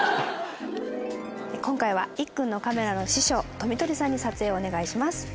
今回はいっくんのカメラの師匠富取さんに撮影をお願いします。